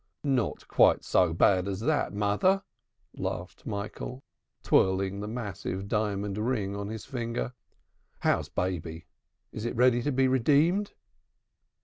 "Not quite so bad as that, mother," laughed Michael, twirling the massive diamond ring on his finger. "How's baby? Is it ready to be redeemed?"